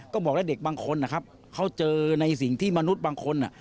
ก็บอกแล้วเด็กบางคนนะครับเขาเจอในสิ่งที่มนุษย์บางคน